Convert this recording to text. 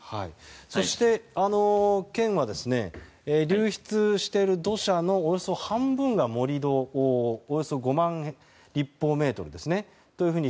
そして、県は流出している土砂のおよそ半分が盛り土およそ５万立方メートルですね。